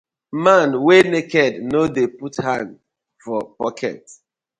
Man wey naked no dey put hand for pocket:.